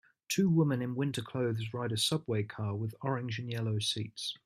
Two women in winter clothes ride in a subway car with orange and yellow seats.